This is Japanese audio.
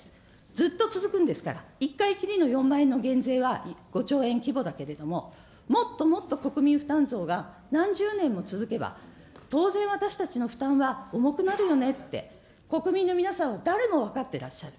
ずっと続くんですから、１回きりの４万円の減税は、５兆円規模だけれども、もっともっと国民負担増が何十年も続けば、当然私たちの負担は重くなるよねって、国民の皆さんは誰も分かってらっしゃる。